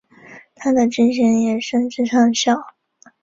他的军衔也升至上校。